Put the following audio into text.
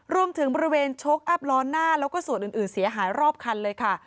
รวมถึงบริเวณโชคอัพล้อหน้าแล้วก็ส่วนอื่นเสียหายรอบคันเลยค่ะ